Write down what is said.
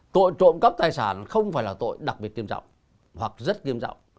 tội trộm cấp tài sản không phải là tội đặc biệt kiêm trọng hoặc rất kiêm trọng